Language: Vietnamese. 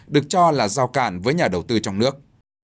được cho là giao cản với nhà đầu tư trong nước